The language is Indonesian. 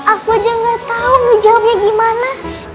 aku aja gak tau jawabnya gimana